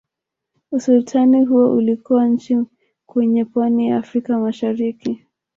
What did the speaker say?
Usultani huo ulikuwa nchi kwenye pwani ya Afrika mashariki